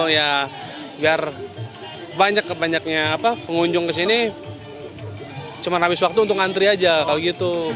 ya biar banyak banyaknya pengunjung ke sini cuma habis waktu untuk ngantri aja kalau gitu